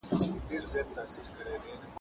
لیکل تر اورېدلو د املا په زده کړه کي اغېز لري.